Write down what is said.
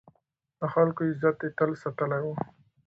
د خلکو عزت يې تل ساتلی و.